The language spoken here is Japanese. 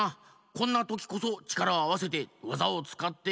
こんなときこそちからをあわせてわざをつかってここからでる！